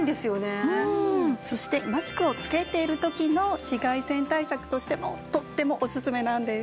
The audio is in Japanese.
そしてマスクをつけている時の紫外線対策としてもとってもオススメなんです。